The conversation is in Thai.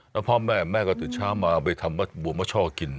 แล้วพ่อแม่แม่ก็ตื่นเช้ามาเอาไปทำบัวมะช่อกิน